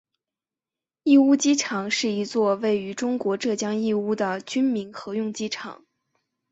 义乌机场是一座位于中国浙江义乌的军民合用机场。